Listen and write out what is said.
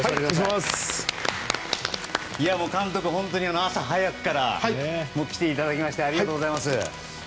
監督朝早くから来ていただきましてありがとうございます。